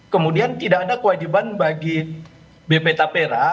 kemudian tidak ada kewajiban bagi bp tapera